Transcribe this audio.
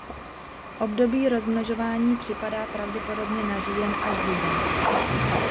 Období rozmnožování připadá pravděpodobně na říjen až duben.